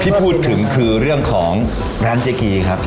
ที่พูดถึงคือเรื่องของร้านเจกีครับ